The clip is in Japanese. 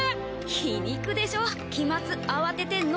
皮肉でしょ「期末慌ててんの？」